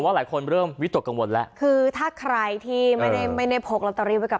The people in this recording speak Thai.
หลายคนเริ่มวิตกกังวลแล้วคือถ้าใครที่ไม่ได้ไม่ได้พกลอตเตอรี่ไว้กับ